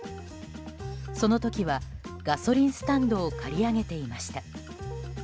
その時は、ガソリンスタンドを借り上げていました。